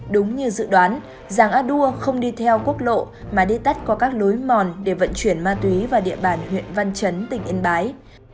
đúng như dự đoán giàng a đua không đi theo quốc lộ mà đi tắt qua các lối mòn để vận chuyển ma túy vào địa bàn huyện văn chấn tỉnh yên bái